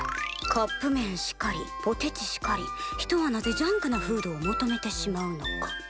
カップめんしかりポテチしかり人はなぜジャンクなフードを求めてしまうのか。